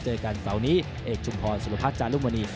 เจอกันเสาร์นี้เอกชุมพรสุรพัฒน์จารุมณี